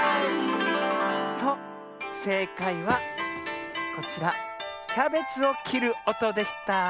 そうせいかいはこちらキャベツをきるおとでした。